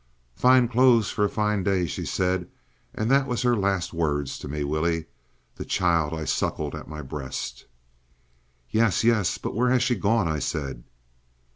'Fine clo's for a fine day,' she said, and that was her last words to me!—Willie!—the child I suckled at my breast!" "Yes, yes. But where has she gone?" I said.